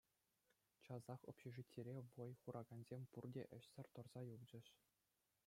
Часах общежитире вӑй хуракансем пурте ӗҫсӗр тӑрса юлчӗҫ.